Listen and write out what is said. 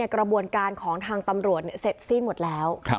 กระบวนการของทางตำรวจเสร็จสิ้นหมดแล้ว